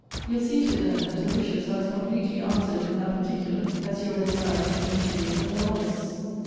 You'll see to it, then, that her wishes are as completely answered in that particular, as you are desirous they should be in all others.